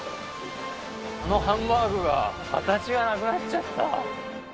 あのハンバーグが形がなくなっちゃった。